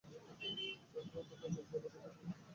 তাঁহার অন্তরটা খুব ভাল, উপরটায় কেবল বেনিয়াসুলভ কর্কশতা।